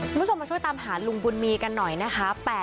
คุณผู้ชมมาช่วยตามหาลุงบุญมีกันหน่อยนะคะ